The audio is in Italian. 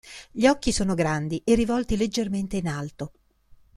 Gli occhi sono grandi e rivolti leggermente in alto.